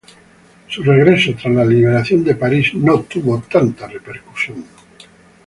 Su regreso tras la liberación de París, no tuvo tanta repercusión.